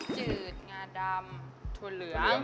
จืดงาดำถั่วเหลือง